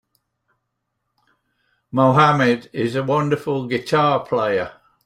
Mohammed is a wonderful guitar player.